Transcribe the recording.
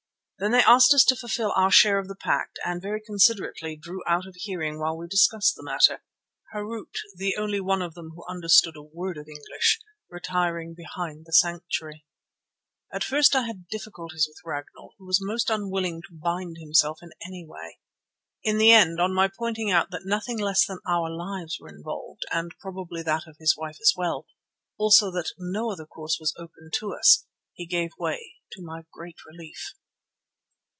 Then they asked us to fulfil our share of the pact and very considerately drew out of hearing while we discussed the matter; Harût, the only one of them who understood a word of English, retiring behind the sanctuary. At first I had difficulties with Ragnall, who was most unwilling to bind himself in any way. In the end, on my pointing out that nothing less than our lives were involved and probably that of his wife as well, also that no other course was open to us, he gave way, to my great relief.